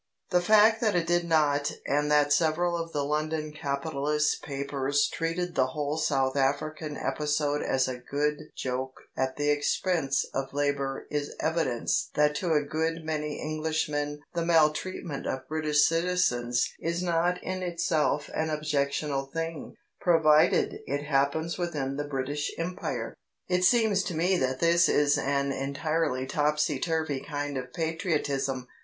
The fact that it did not and that several of the London capitalist papers treated the whole South African episode as a good joke at the expense of Labour is evidence that to a good many Englishmen the maltreatment of British citizens is not in itself an objectionable thing, provided it happens within the British Empire. It seems to me that this is an entirely topsy turvy kind of patriotism.